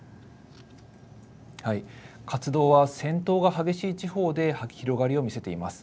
活動は戦闘が激しい地方で広がりを見せています。